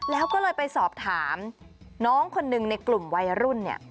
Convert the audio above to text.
แล้วก็เลยไปสอบถามน้องคนหนึ่งในกลุ่มวัยรุ่นเนี่ย